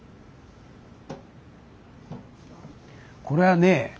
これはね